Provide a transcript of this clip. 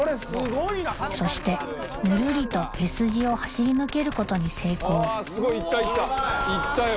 そしてぬるりとＳ字を走り抜けることに成功